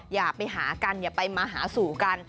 อย่าไปหากันอย่าไปมาหาสู่กัน